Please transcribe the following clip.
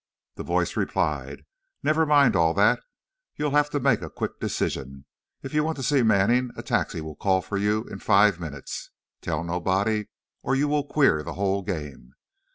The voice replied, 'Never mind all that. You have to make quick decision. If you want to see Manning, a taxi will call for you in five minutes. Tell nobody, or you will queer the whole game.